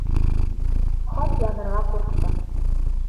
Хат яҙырға ҡурҡтым.